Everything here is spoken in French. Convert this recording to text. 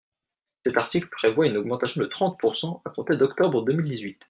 Cet article prévoit une augmentation de trente pourcent, à compter d’octobre deux mille dix-huit.